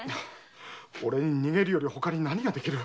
俺に逃げるよりほかに何ができる？